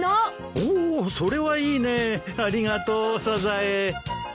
おおそれはいいねありがとうサザエ。